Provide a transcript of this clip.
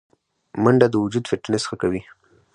منډه د وجود فټنس ښه کوي